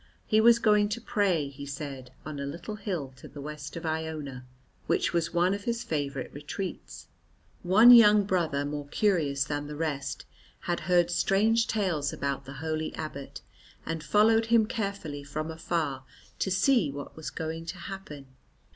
He was going to pray, he said, on a little hill to the west of Iona, which was one of his favourite retreats. One young brother, more curious than the rest, had heard strange tales about the holy abbot, and followed him carefully from afar to see what was going to happen.